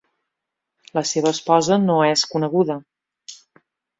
La seva esposa no és coneguda.